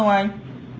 thì người dùng mà